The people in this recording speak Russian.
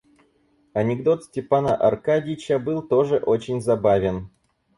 Анекдот Степана Аркадьича был тоже очень забавен.